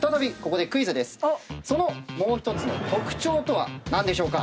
そのもう１つの特徴とは何でしょうか？